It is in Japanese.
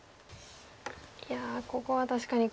いやここは確かに黒としても。